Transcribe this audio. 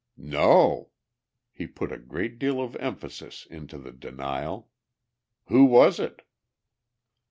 "No." He put a great deal of emphasis into the denial. "Who was it?"